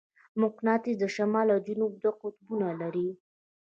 مقناطیس د شمال او جنوب دوه قطبونه لري.